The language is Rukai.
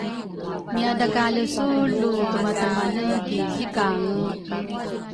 ngiadrakale su lutumatumane ki zikange?